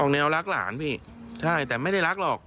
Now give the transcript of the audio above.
แนวรักหลานพี่ใช่แต่ไม่ได้รักหรอก